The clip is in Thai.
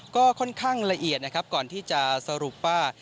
ก็ค่อนข้างละเอียดนะครับก่อนที่จะสรุปว่า